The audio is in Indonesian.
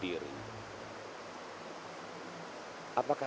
dasar penyihir jahat